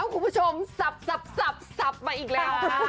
คุณผู้ชมสับมาอีกแล้ว